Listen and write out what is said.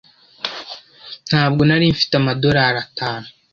Ntabwo nari mfite amadorari atanu.